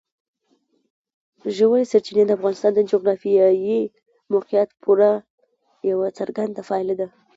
ژورې سرچینې د افغانستان د جغرافیایي موقیعت پوره یوه څرګنده پایله ده.